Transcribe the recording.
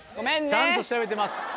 ちゃんと調べてます。